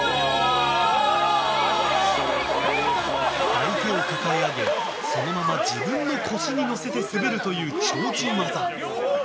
相手を抱え上げそのまま自分の腰に乗せて滑るという超人技。